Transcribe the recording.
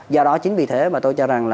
do đó chính vì thế tôi cho rằng